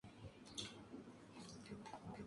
Cuidó especialmente la formación de los sacerdotes.